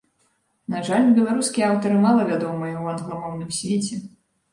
На жаль, беларускія аўтары мала вядомыя ў англамоўным свеце.